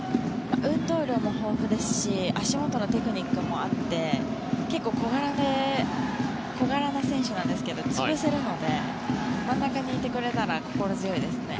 運動量も豊富ですし足元のテクニックもあって結構小柄な選手なんですが潰せるので真ん中にいてくれたら心強いですね。